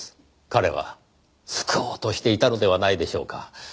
彼は救おうとしていたのではないでしょうか。